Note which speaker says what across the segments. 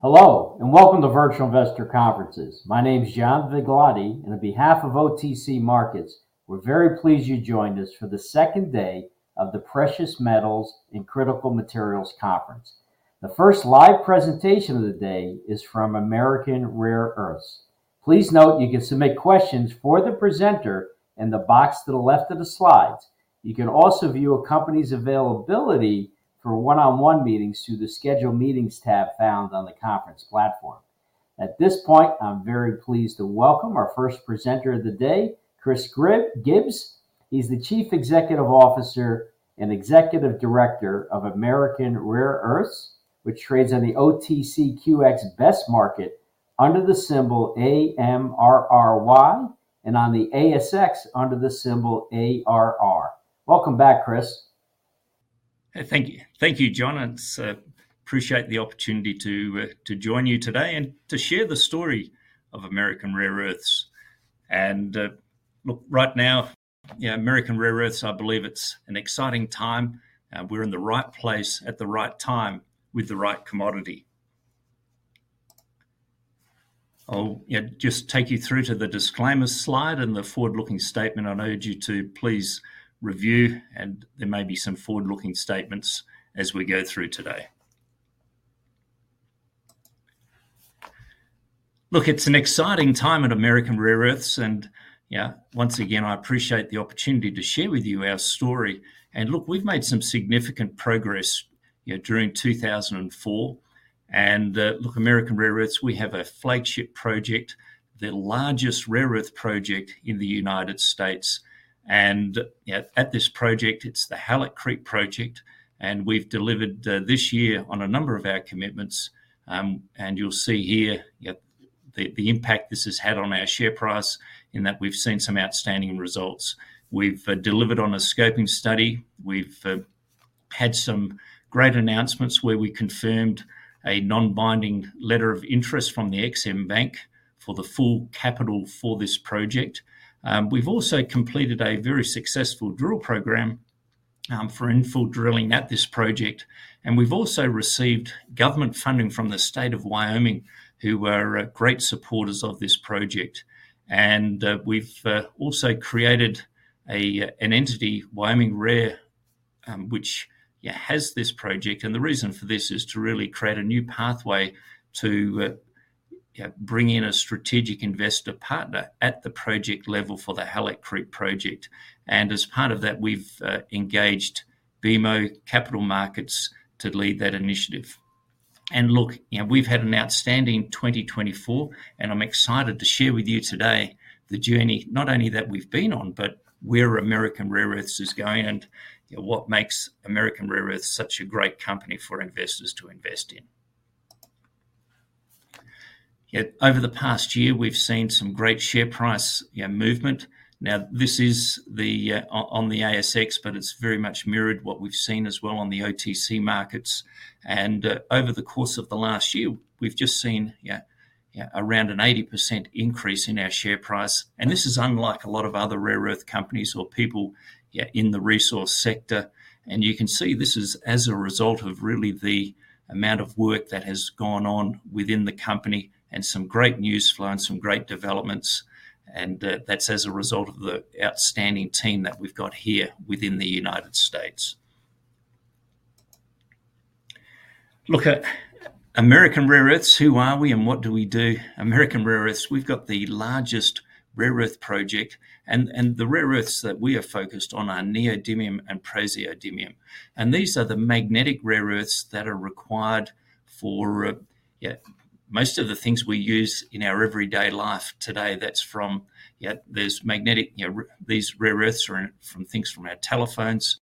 Speaker 1: Hello, and welcome to Virtual Investor Conferences. My name is John Vigliotti, and on behalf of OTC Markets, we're very pleased you joined us for the second day of the Precious Metals and Critical Materials Conference. The first live presentation of the day is from American Rare Earths. Please note you can submit questions for the presenter in the box to the left of the slides. You can also view a company's availability for one-on-one meetings through the Schedule Meetings tab found on the conference platform. At this point, I'm very pleased to welcome our first presenter of the day, Chris Gibbs. He's the Chief Executive Officer and Executive Director of American Rare Earths, which trades on the OTCQX Best Market under the symbol AMRRY and on the ASX under the symbol ARR. Welcome back, Chris.
Speaker 2: Thank you, John. I appreciate the opportunity to join you today and to share the story of American Rare Earths. And look, right now, American Rare Earths, I believe it's an exciting time. We're in the right place at the right time with the right commodity. I'll just take you through to the disclaimer slide and the forward-looking statement I've urged you to please review, and there may be some forward-looking statements as we go through today. Look, it's an exciting time at American Rare Earths, and once again, I appreciate the opportunity to share with you our story. And look, we've made some significant progress during 2024. And look, American Rare Earths, we have a flagship project, the largest rare earth project in the United States. And at this project, it's the Halleck Creek Project. And we've delivered this year on a number of our commitments. You'll see here the impact this has had on our share price in that we've seen some outstanding results. We've delivered on a scoping study. We've had some great announcements where we confirmed a non-binding letter of interest from the EXIM Bank for the full capital for this project. We've also completed a very successful drill program for infill drilling at this project. We've also received government funding from the state of Wyoming, who were great supporters of this project. We've also created an entity, Wyoming Rare, which has this project. The reason for this is to really create a new pathway to bring in a strategic investor partner at the project level for the Halleck Creek Project. As part of that, we've engaged BMO Capital Markets to lead that initiative. Look, we've had an outstanding 2024, and I'm excited to share with you today the journey not only that we've been on, but where American Rare Earths is going and what makes American Rare Earths such a great company for investors to invest in. Over the past year, we've seen some great share price movement. Now, this is on the ASX, but it's very much mirrored what we've seen as well on the OTC markets. Over the course of the last year, we've just seen around an 80% increase in our share price. This is unlike a lot of other rare earth companies or people in the resource sector. You can see this is as a result of really the amount of work that has gone on within the company and some great news flow and some great developments. And that's as a result of the outstanding team that we've got here within the United States. Look, American Rare Earths, who are we and what do we do? American Rare Earths, we've got the largest rare earth project. And the rare earths that we are focused on are neodymium and praseodymium. And these are the magnetic rare earths that are required for most of the things we use in our everyday life today. That's from these rare earths are from things from our telephones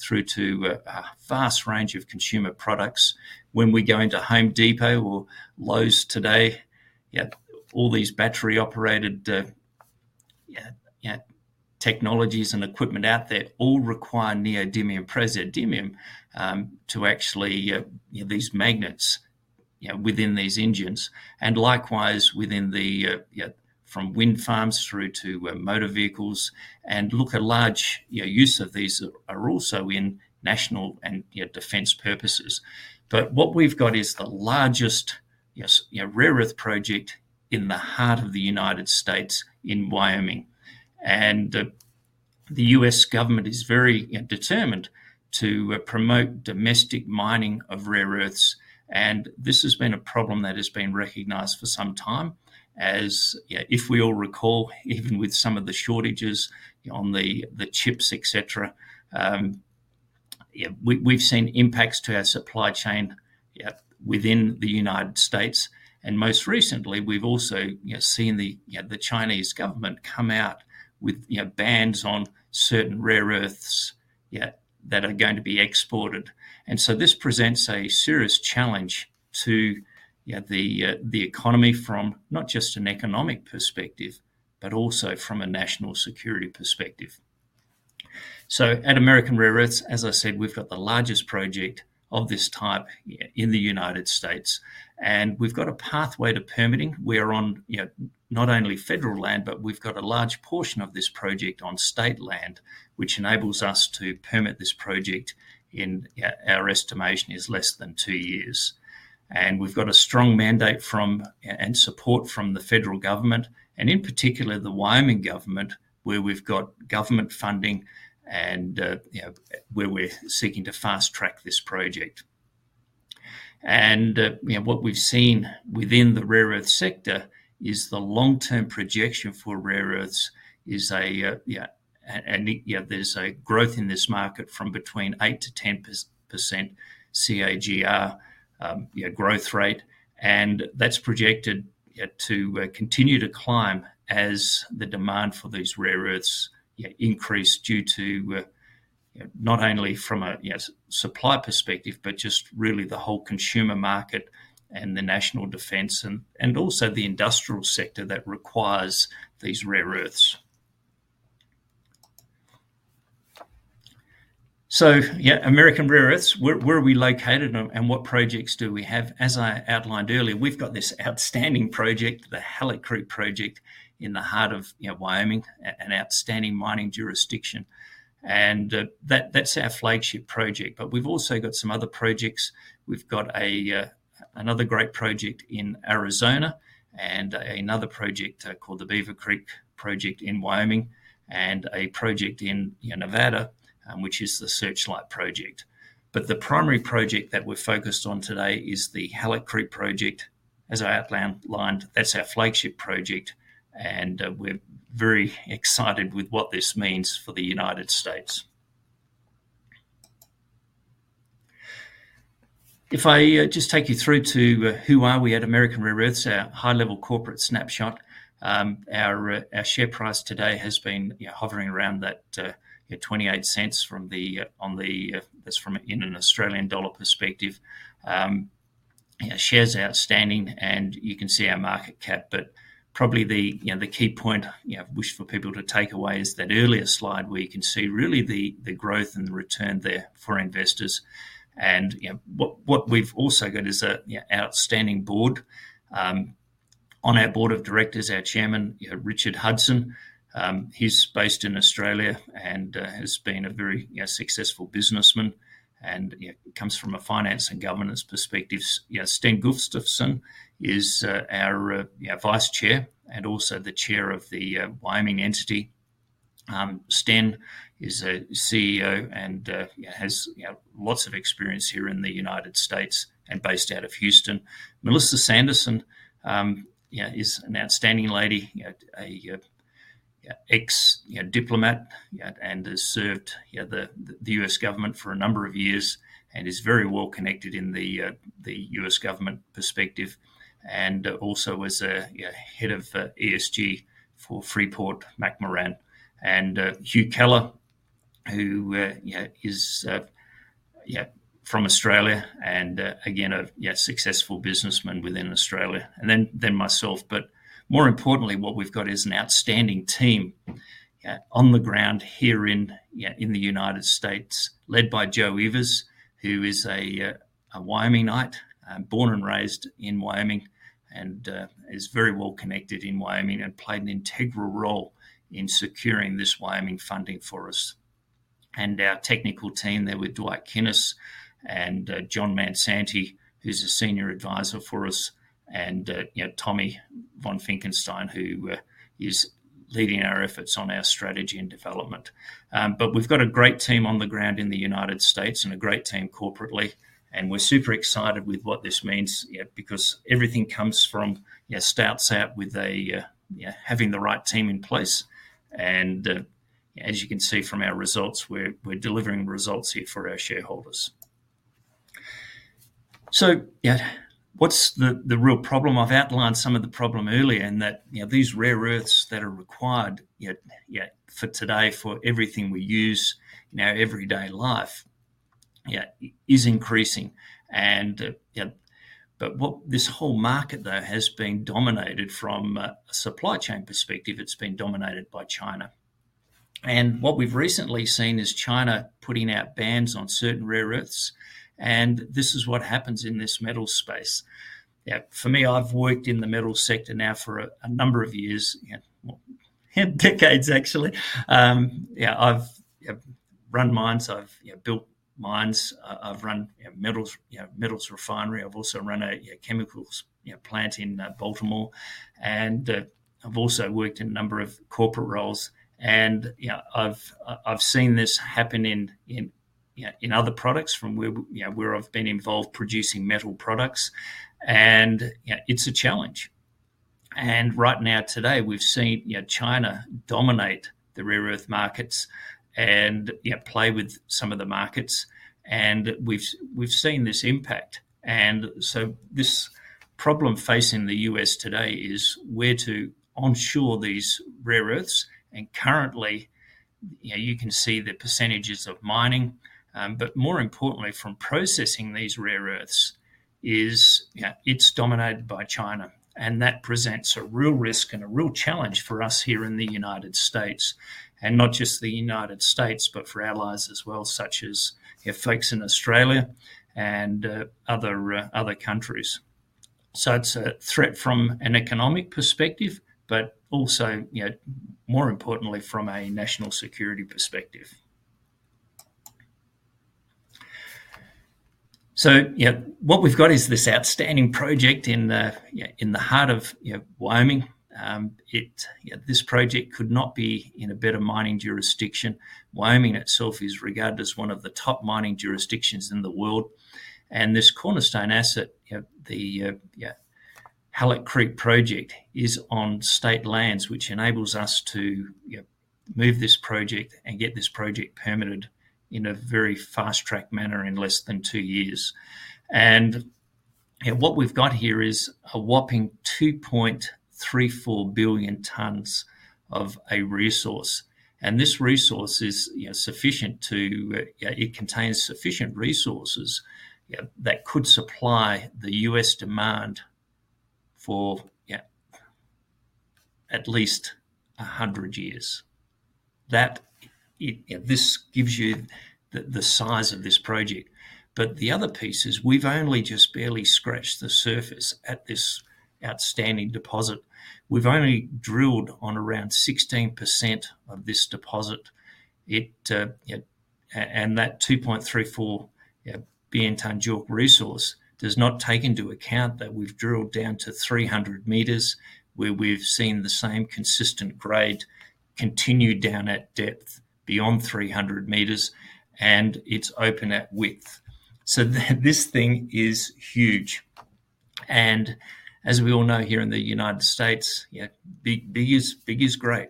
Speaker 2: through to a vast range of consumer products. When we go into Home Depot or Lowe's today, all these battery-operated technologies and equipment out there all require neodymium and praseodymium to actually these magnets within these engines. And likewise, within the from wind farms through to motor vehicles. And look, a large use of these are also in national and defense purposes. But what we've got is the largest rare earth project in the heart of the United States in Wyoming. And the U.S. government is very determined to promote domestic mining of rare earths. And this has been a problem that has been recognized for some time. As we all recall, even with some of the shortages on the chips, et cetera, we've seen impacts to our supply chain within the United States. And most recently, we've also seen the Chinese government come out with bans on certain rare earths that are going to be exported. And so this presents a serious challenge to the economy from not just an economic perspective, but also from a national security perspective. So at American Rare Earths, as I said, we've got the largest project of this type in the United States. And we've got a pathway to permitting. We are on not only federal land, but we've got a large portion of this project on state land, which enables us to permit this project in our estimation is less than two years, and we've got a strong mandate from and support from the federal government, and in particular, the Wyoming government, where we've got government funding and where we're seeking to fast track this project, and what we've seen within the rare earth sector is the long-term projection for rare earths is a there's a growth in this market from between 8%-10% CAGR growth rate, and that's projected to continue to climb as the demand for these rare earths increase due to not only from a supply perspective, but just really the whole consumer market and the national defense and also the industrial sector that requires these rare earths. American Rare Earths, where are we located and what projects do we have? As I outlined earlier, we've got this outstanding project, the Halleck Creek Project in the heart of Wyoming, an outstanding mining jurisdiction, and that's our flagship project. But we've also got some other projects. We've got another great project in Arizona and another project called the Beaver Creek Project in Wyoming and a project in Nevada, which is the Searchlight Project. But the primary project that we're focused on today is the Halleck Creek Project. As I outlined, that's our flagship project, and we're very excited with what this means for the United States. If I just take you through to who are we at American Rare Earths, our high-level corporate snapshot. Our share price today has been hovering around that 0.28. That's from an Australian dollar perspective. Shares outstanding, and you can see our market cap, but probably the key point I wish for people to take away is that earlier slide where you can see really the growth and the return there for investors, and what we've also got is an outstanding board. On our board of directors, our Chairman, Richard Hudson, he's based in Australia and has been a very successful businessman and comes from a finance and governance perspective. Sten Gustafson is our Vice Chair and also the Chair of the Wyoming entity. Sten is a CEO and has lots of experience here in the United States and based out of Houston. Melissa Sanderson is an outstanding lady, an ex-diplomat, and has served the U.S. government for a number of years and is very well connected in the U.S. government perspective, and also was a head of ESG for Freeport-McMoRan. And Hugh Keller, who is from Australia and again, a successful businessman within Australia. And then myself. But more importantly, what we've got is an outstanding team on the ground here in the United States, led by Joe Evers, who is a Wyomingite, born and raised in Wyoming, and is very well connected in Wyoming and played an integral role in securing this Wyoming funding for us. And our technical team there with Dwight Kinnes and John Mansanti, who's a senior advisor for us, and Tommy von Finkenstein, who is leading our efforts on our strategy and development. But we've got a great team on the ground in the United States and a great team corporately. And we're super excited with what this means because everything starts out with having the right team in place. And as you can see from our results, we're delivering results here for our shareholders. So what's the real problem? I've outlined some of the problem earlier in that these rare earths that are required for today for everything we use in our everyday life is increasing. But this whole market, though, has been dominated from a supply chain perspective. It's been dominated by China. And what we've recently seen is China putting out bans on certain rare earths. And this is what happens in this metal space. For me, I've worked in the metal sector now for a number of years, decades actually. I've run mines. I've built mines. I've run metals refinery. I've also run a chemicals plant in Baltimore. And I've also worked in a number of corporate roles. And I've seen this happen in other products from where I've been involved producing metal products. And it's a challenge. And right now, today, we've seen China dominate the rare earth markets and play with some of the markets. And we've seen this impact. And so this problem facing the U.S. today is where to ensure these rare earths. And currently, you can see the percentages of mining. But more importantly, from processing these rare earths, it's dominated by China. And that presents a real risk and a real challenge for us here in the United States. And not just the United States, but for allies as well, such as folks in Australia and other countries. So it's a threat from an economic perspective, but also, more importantly, from a national security perspective. So what we've got is this outstanding project in the heart of Wyoming. This project could not be in a better mining jurisdiction. Wyoming itself is regarded as one of the top mining jurisdictions in the world. This cornerstone asset, the Halleck Creek Project, is on state lands, which enables us to move this project and get this project permitted in a very fast track manner in less than two years. What we've got here is a whopping 2.34 billion tons of a resource. This resource is sufficient. It contains sufficient resources that could supply the U.S. demand for at least 100 years. This gives you the size of this project. The other piece is we've only just barely scratched the surface at this outstanding deposit. We've only drilled on around 16% of this deposit. That 2.34 billion ton JORC resource does not take into account that we've drilled down to 300 meters, where we've seen the same consistent grade continue down at depth beyond 300 meters, and it's open at width. This thing is huge. And as we all know here in the United States, big is great.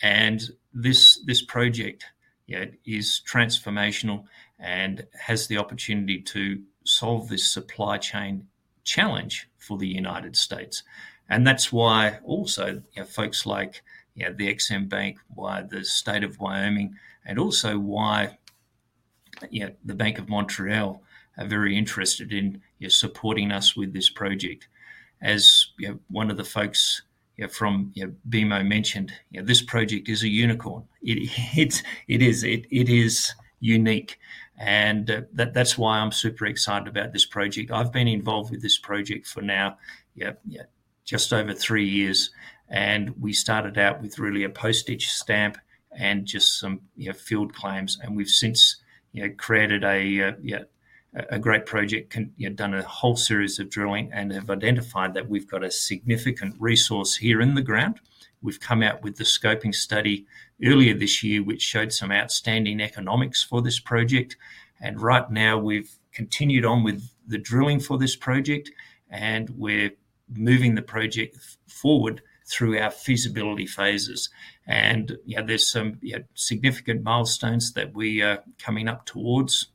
Speaker 2: And this project is transformational and has the opportunity to solve this supply chain challenge for the United States. And that's why also folks like the EXIM Bank, the State of Wyoming, and also why the Bank of Montreal are very interested in supporting us with this project. As one of the folks from BMO mentioned, this project is a unicorn. It is unique. And that's why I'm super excited about this project. I've been involved with this project for now just over three years. And we started out with really a postage stamp and just some field claims. And we've since created a great project, done a whole series of drilling, and have identified that we've got a significant resource here in the ground. We've come out with the scoping study earlier this year, which showed some outstanding economics for this project. Right now, we've continued on with the drilling for this project, and we're moving the project forward through our feasibility phases. There's some significant milestones that we are coming up towards,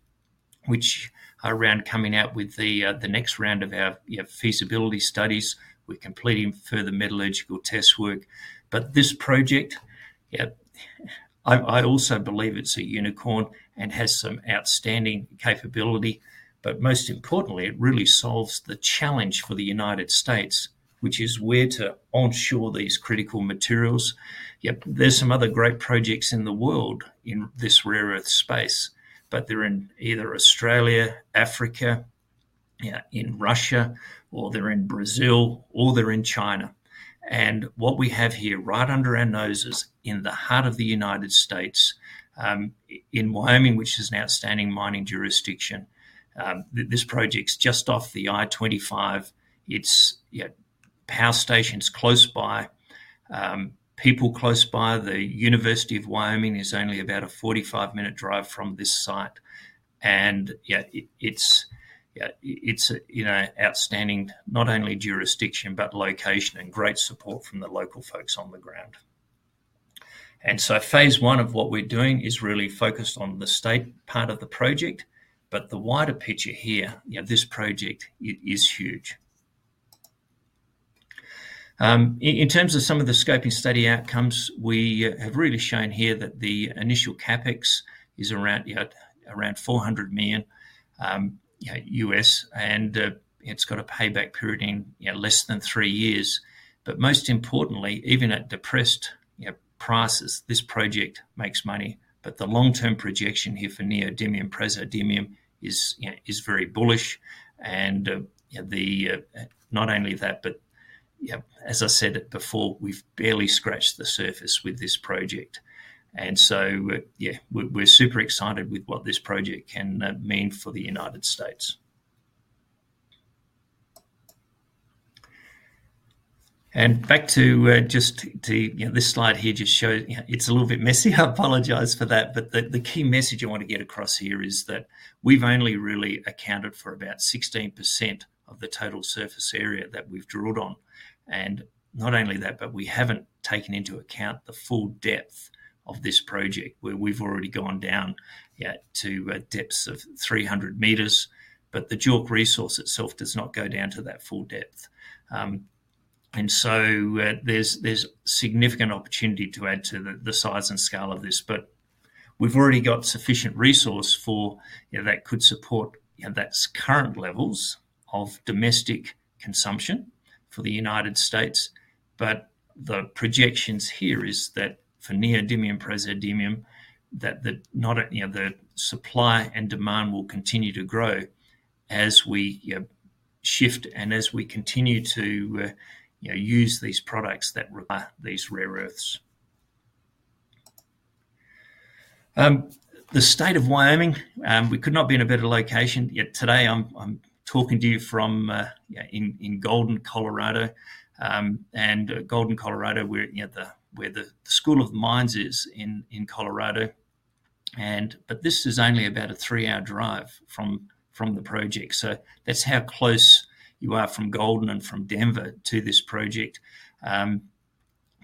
Speaker 2: which are around coming out with the next round of our feasibility studies. We're completing further metallurgical test work. This project, I also believe it's a unicorn and has some outstanding capability. Most importantly, it really solves the challenge for the United States, which is where to ensure these critical materials. There's some other great projects in the world in this rare earth space, but they're in either Australia, Africa, in Russia, or they're in Brazil, or they're in China. What we have here right under our noses in the heart of the United States, in Wyoming, which is an outstanding mining jurisdiction. This project's just off the I-25. It's power stations close by, people close by. The University of Wyoming is only about a 45-minute drive from this site. It's an outstanding not only jurisdiction, but location and great support from the local folks on the ground. Phase one of what we're doing is really focused on the state part of the project. The wider picture here, this project, it is huge. In terms of some of the scoping study outcomes, we have really shown here that the initial CapEx is around $400 million, and it's got a payback period in less than three years. Most importantly, even at depressed prices, this project makes money. But the long-term projection here for neodymium and praseodymium is very bullish. And not only that, but as I said before, we've barely scratched the surface with this project. And so we're super excited with what this project can mean for the United States. And back to just this slide here just shows, it's a little bit messy. I apologize for that. But the key message I want to get across here is that we've only really accounted for about 16% of the total surface area that we've drilled on. And not only that, but we haven't taken into account the full depth of this project, where we've already gone down to depths of 300 meters. But the JORC resource itself does not go down to that full depth. And so there's significant opportunity to add to the size and scale of this. We've already got sufficient resource that could support the current levels of domestic consumption for the United States. But the projections here are that for neodymium and praseodymium, that the supply and demand will continue to grow as we shift and as we continue to use these products that are these rare earths. The state of Wyoming, we could not be in a better location. Today, I'm talking to you from Golden, Colorado. And Golden, Colorado, where the Colorado School of Mines is. But this is only about a three-hour drive from the project. So that's how close you are from Golden and from Denver to this project.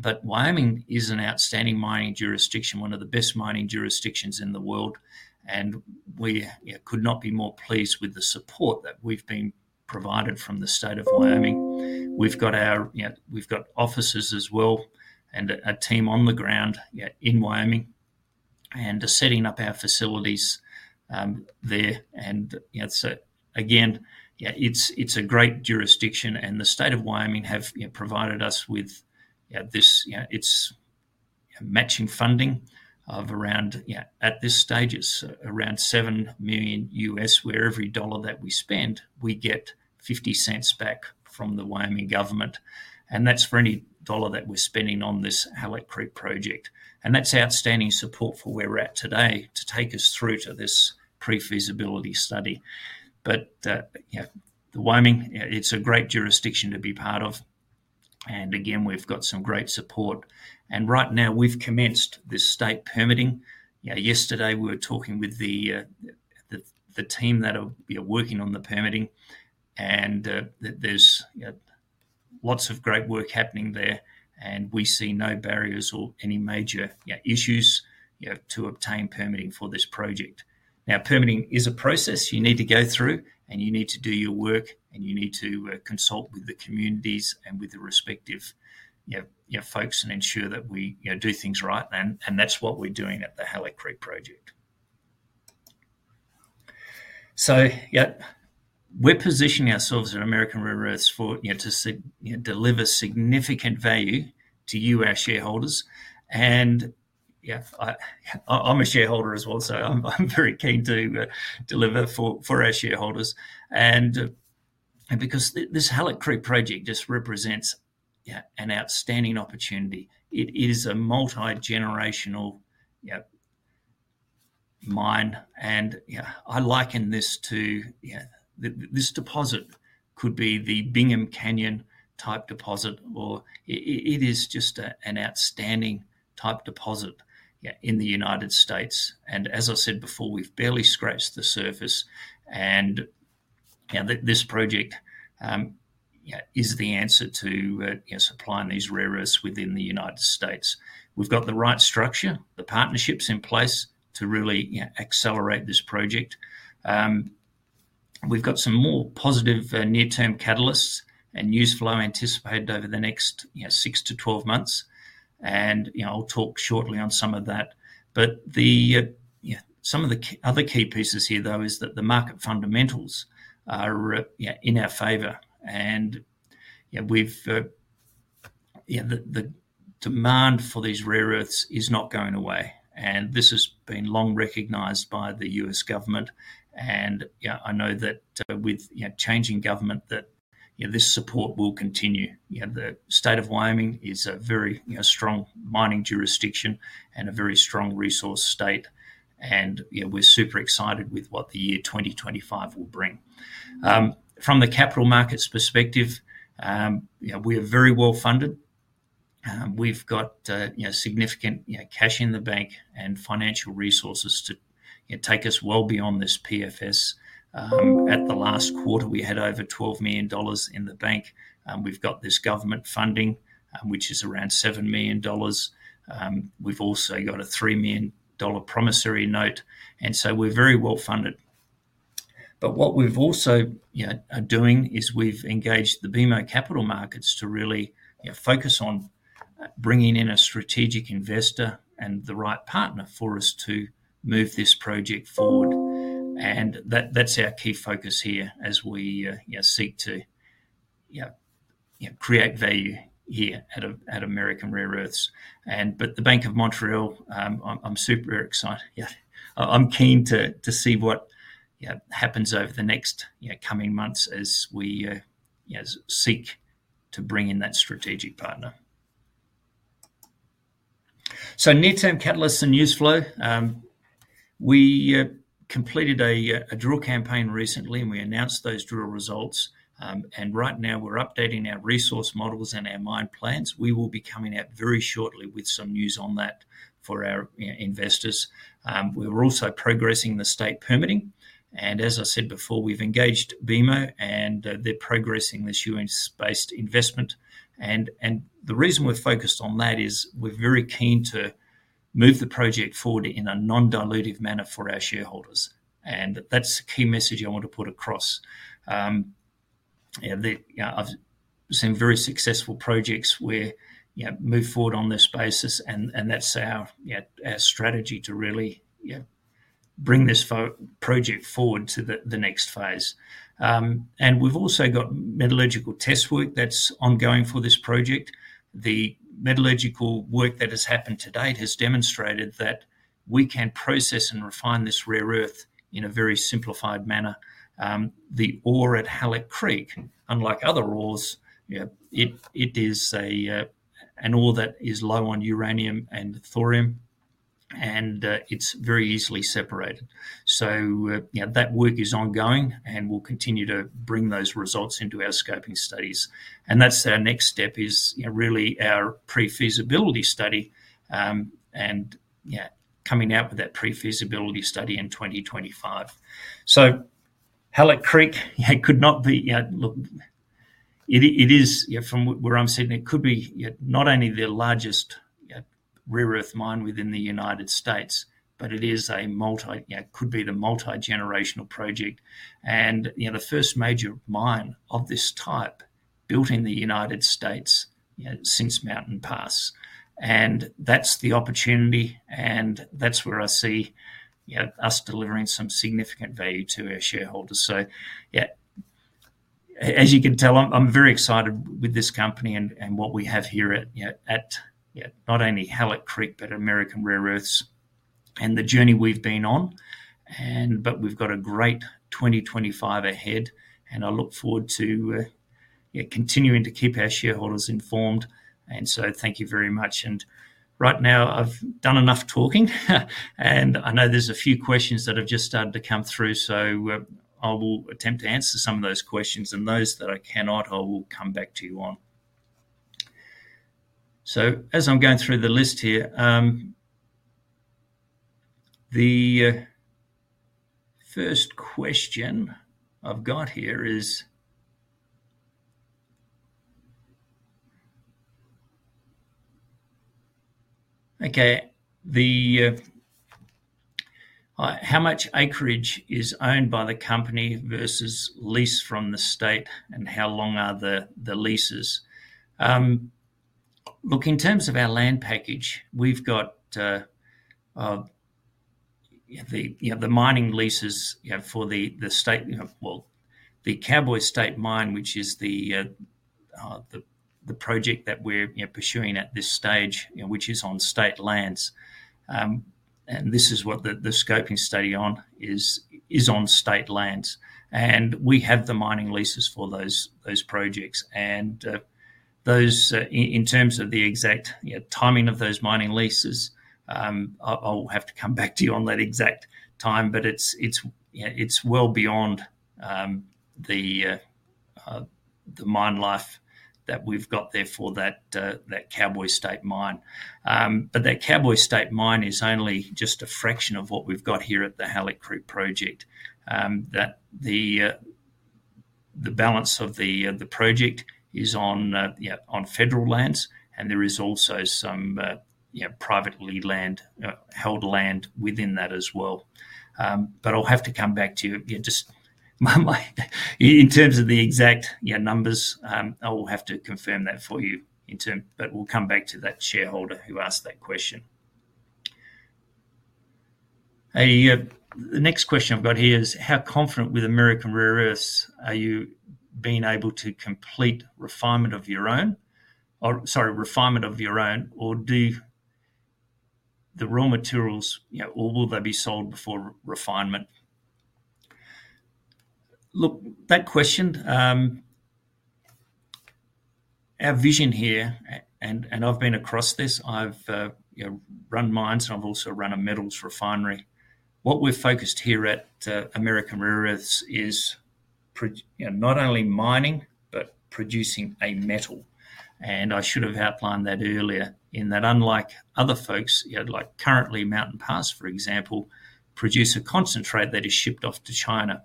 Speaker 2: But Wyoming is an outstanding mining jurisdiction, one of the best mining jurisdictions in the world. And we could not be more pleased with the support that we've been provided from the state of Wyoming. We've got officers as well and a team on the ground in Wyoming and setting up our facilities there. And again, it's a great jurisdiction. And the state of Wyoming have provided us with this matching funding of around, at this stage, it's around $7 million, where every dollar that we spend, we get 50 cents back from the Wyoming government. And that's for any dollar that we're spending on this Halleck Creek project. And that's outstanding support for where we're at today to take us through to this pre-feasibility study. But the Wyoming, it's a great jurisdiction to be part of. And again, we've got some great support. And right now, we've commenced this state permitting. Yesterday, we were talking with the team that are working on the permitting. And there's lots of great work happening there. And we see no barriers or any major issues to obtain permitting for this project. Now, permitting is a process you need to go through, and you need to do your work, and you need to consult with the communities and with the respective folks and ensure that we do things right. And that's what we're doing at the Halleck Creek Project. So we're positioning ourselves at American Rare Earths to deliver significant value to you, our shareholders. And I'm a shareholder as well, so I'm very keen to deliver for our shareholders. And because this Halleck Creek Project just represents an outstanding opportunity. It is a multi-generational mine. And I liken this to this deposit could be the Bingham Canyon type deposit, or it is just an outstanding type deposit in the United States. And as I said before, we've barely scratched the surface. And this project is the answer to supplying these rare earths within the United States. We've got the right structure, the partnerships in place to really accelerate this project. We've got some more positive near-term catalysts and news flow anticipated over the next six to 12 months. And I'll talk shortly on some of that. But some of the other key pieces here, though, is that the market fundamentals are in our favor. And the demand for these rare earths is not going away. And this has been long recognized by the U.S. government. And I know that with changing government, that this support will continue. The state of Wyoming is a very strong mining jurisdiction and a very strong resource state. And we're super excited with what the year 2025 will bring. From the capital markets perspective, we are very well funded. We've got significant cash in the bank and financial resources to take us well beyond this PFS. At the last quarter, we had over $12 million in the bank. We've got this government funding, which is around $7 million. We've also got a $3 million promissory note, and so we're very well funded, but what we've also been doing is we've engaged BMO Capital Markets to really focus on bringing in a strategic investor and the right partner for us to move this project forward, and that's our key focus here as we seek to create value here at American Rare Earths, but the Bank of Montreal, I'm super excited. I'm keen to see what happens over the next coming months as we seek to bring in that strategic partner, so near-term catalysts and news flow. We completed a drill campaign recently, and we announced those drill results. And right now, we're updating our resource models and our mine plans. We will be coming out very shortly with some news on that for our investors. We were also progressing the state permitting. And as I said before, we've engaged BMO, and they're progressing this U.S.-based investment. And the reason we're focused on that is we're very keen to move the project forward in a non-dilutive manner for our shareholders. And that's the key message I want to put across. I've seen very successful projects where we move forward on this basis. And that's our strategy to really bring this project forward to the next phase. And we've also got metallurgical test work that's ongoing for this project. The metallurgical work that has happened to date has demonstrated that we can process and refine this rare earth in a very simplified manner. The ore at Halleck Creek, unlike other ores, it is an ore that is low on uranium and thorium, and it's very easily separated. That work is ongoing, and we'll continue to bring those results into our scoping studies. That's our next step, is really our pre-feasibility study and coming out with that pre-feasibility study in 2025. Halleck Creek could be. It is, from where I'm sitting, it could be not only the largest rare earth mine within the United States, but it could be the multi-generational project. That is the first major mine of this type built in the United States since Mountain Pass. That's the opportunity, and that's where I see us delivering some significant value to our shareholders. So as you can tell, I'm very excited with this company and what we have here at not only Halleck Creek, but American Rare Earths and the journey we've been on. But we've got a great 2025 ahead, and I look forward to continuing to keep our shareholders informed. And so thank you very much. And right now, I've done enough talking, and I know there's a few questions that have just started to come through, so I will attempt to answer some of those questions. And those that I cannot, I will come back to you on. So as I'm going through the list here, the first question I've got here is, okay, how much acreage is owned by the company versus lease from the state, and how long are the leases? Look, in terms of our land package, we've got the mining leases for the state, well, the Cowboy State Mine, which is the project that we're pursuing at this stage, which is on state lands. And this is what the scoping study on is, is on state lands. And we have the mining leases for those projects. And in terms of the exact timing of those mining leases, I'll have to come back to you on that exact time, but it's well beyond the mine life that we've got there for that Cowboy State Mine. But that Cowboy State Mine is only just a fraction of what we've got here at the Halleck Creek project. The balance of the project is on federal lands, and there is also some privately held land within that as well. But I'll have to come back to you. In terms of the exact numbers, I will have to confirm that for you in terms of, but we'll come back to that shareholder who asked that question. The next question I've got here is, how confident with American Rare Earths are you being able to complete refinement of your own? Sorry, refinement of your own, or do the raw materials, or will they be sold before refinement? Look, that question, our vision here, and I've been across this, I've run mines, and I've also run a metals refinery. What we're focused here at American Rare Earths is not only mining, but producing a metal, and I should have outlined that earlier in that unlike other folks, like currently Mountain Pass, for example, produce a concentrate that is shipped off to China.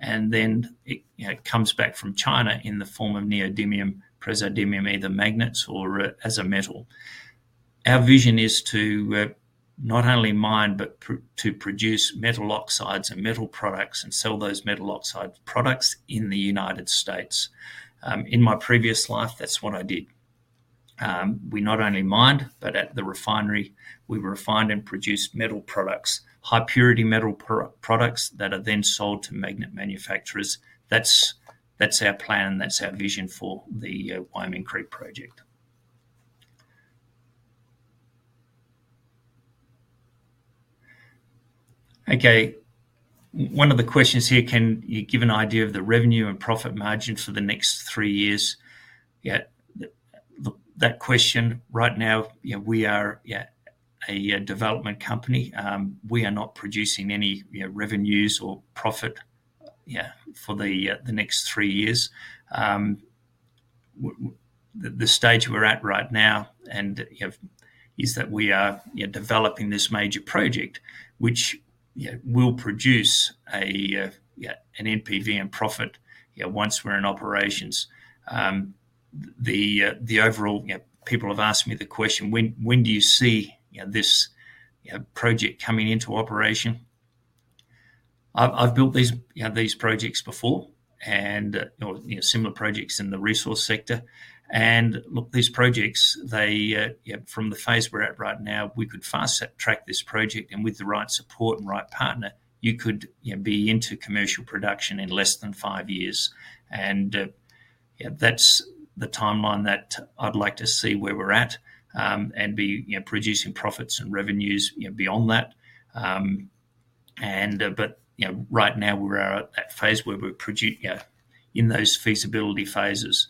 Speaker 2: Then it comes back from China in the form of neodymium, praseodymium, either magnets or as a metal. Our vision is to not only mine, but to produce metal oxides and metal products and sell those metal oxide products in the United States. In my previous life, that's what I did. We not only mined, but at the refinery, we were refined and produced metal products, high-purity metal products that are then sold to magnet manufacturers. That's our plan, and that's our vision for the Halleck Creek project. Okay. One of the questions here, can you give an idea of the revenue and profit margin for the next three years? That question, right now, we are a development company. We are not producing any revenues or profit for the next three years. The stage we're at right now is that we are developing this major project, which will produce an NPV and profit once we're in operations. Overall, people have asked me the question, when do you see this project coming into operation? I've built these projects before and similar projects in the resource sector, and look, these projects, from the phase we're at right now, we could fast track this project, and with the right support and right partner, you could be into commercial production in less than five years, and that's the timeline that I'd like to see where we're at and be producing profits and revenues beyond that, but right now, we're at that phase where we're in those feasibility phases,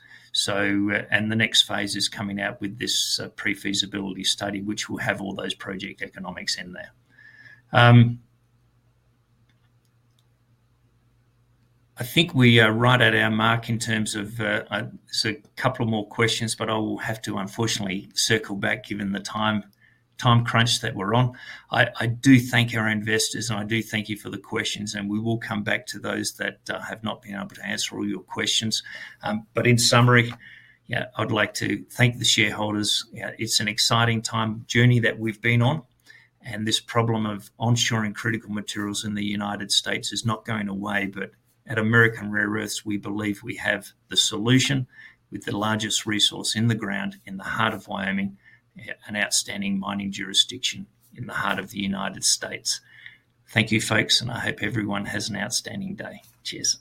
Speaker 2: and the next phase is coming out with this pre-feasibility study, which will have all those project economics in there. I think we are right at our mark in terms of a couple of more questions, but I will have to unfortunately circle back given the time crunch that we're on. I do thank our investors, and I do thank you for the questions, and we will come back to those that have not been able to answer all your questions, but in summary, I'd like to thank the shareholders. It's an exciting time journey that we've been on, and this problem of onshoring critical materials in the United States is not going away, but at American Rare Earths, we believe we have the solution with the largest resource in the ground in the heart of Wyoming, an outstanding mining jurisdiction in the heart of the United States. Thank you, folks, and I hope everyone has an outstanding day. Cheers.